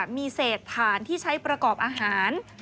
มีเศษฐานที่ใช้ประกอบอาหาร